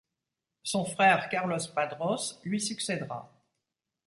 Son frère Carlos Padrós lui succèdera.